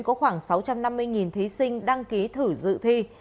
có khoảng sáu trăm năm mươi thí sinh đăng ký thử dự thi